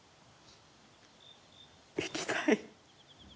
生きたい。